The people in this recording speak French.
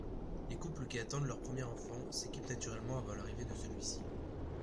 Les couples qui attendent leur premier enfant s’équipent naturellement avant l’arrivée de celui-ci.